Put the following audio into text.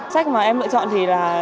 sách mà em lựa chọn thì là